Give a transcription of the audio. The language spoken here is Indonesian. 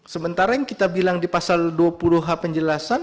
sementara yang kita bilang di pasal dua puluh h penjelasan